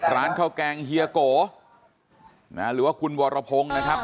ร้านข้าวแกงเฮียโกหรือว่าคุณวรพงศ์นะครับ